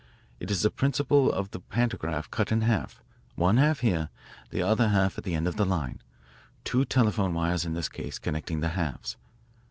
It is the principle of the pantograph cut in half, one half here, the other half at the end of the line, two telephone wires in this case connecting the halves.